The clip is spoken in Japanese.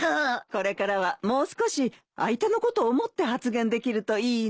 これからはもう少し相手のことを思って発言できるといいね。